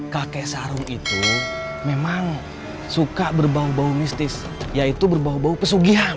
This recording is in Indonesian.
kakek sarung itu memang suka berbau bau mistis yaitu berbau bau pesugihan